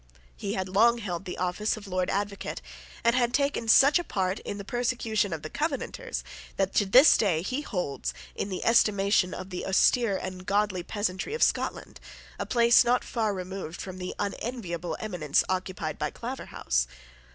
He had long held the office of Lord Advocate, and had taken such a part in the persecution of the Covenanters that to this day he holds, in the estimation of the austere and godly peasantry of Scotland, a place not far removed from the unenviable eminence occupied by Claverhouse.